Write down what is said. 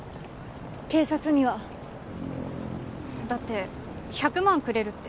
警察には？だって１００万くれるって。